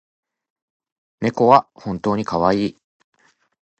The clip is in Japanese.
猫は本当にかわいい